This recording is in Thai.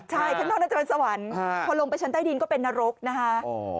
ใช่ข้างนอกน่าจะเป็นสวรรค์พอลงไปชั้นใต้ดินก็เป็นนรกนะคะ